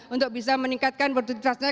untuk bisa meningkatkan produktivitasnya